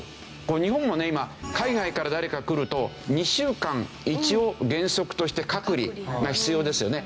日本もね今海外から誰か来ると２週間一応原則として隔離が必要ですよね。